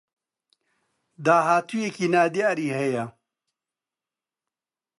داهاتوویێکی نادیاری هەیە